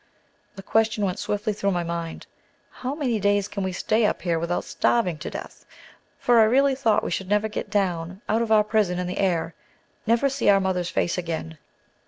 The question went swiftly through my mind, How many days can we stay up here without starving to death? for I really thought we should never get down out of our prison in the air: never see our mother's face again.